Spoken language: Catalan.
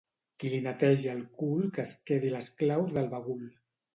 Qui li netegi el cul que es quedi les claus del bagul.